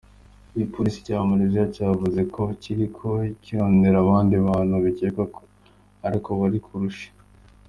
Igipolisi ca Malaysia cavuze ko kiriko kirarondera abandi bantu bikekwa ariko bari ku rushi.